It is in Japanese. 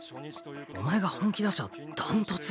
お前が本気出しゃ断トツ。